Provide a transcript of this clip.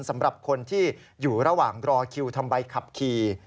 สำหรับคนที่อยู่ระหว่างรอคิวทำใบขับขี่